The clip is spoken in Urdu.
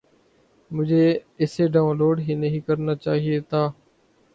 مجھے اسے ڈاون لوڈ ہی نہیں کرنا چاہیے تھا